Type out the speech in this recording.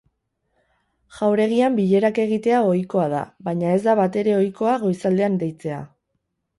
Jauregian bilerak egitea ohikoa da, baina ez da batere ohikoa goizaldean deitzea.